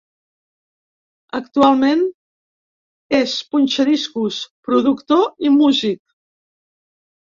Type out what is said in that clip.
Actualment és punxadiscos, productor i músic.